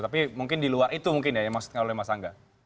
tapi mungkin di luar itu mungkin ya yang dimaksudkan oleh mas angga